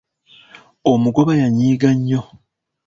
Omugoba yanyiiga nnyo.